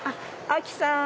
あきさん。